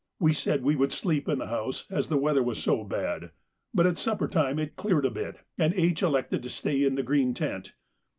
We said we would sleep in the house as the weather was so bad, but at supper time it cleared a bit, and H. elected to stay in the green tent.